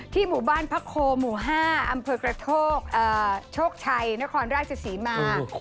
หมู่บ้านพระโคหมู่๕อำเภอกระโทกโชคชัยนครราชศรีมา